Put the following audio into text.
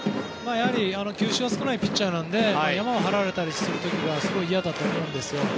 球種が少ないピッチャーなのでヤマを張られたりする時がすごい嫌だと思うんですよ。